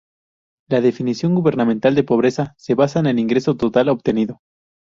La definición gubernamental de pobreza se basa en el ingreso total obtenido.